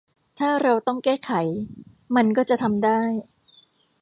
ถ้าเราต้องแก้ไขมันก็จะทำได้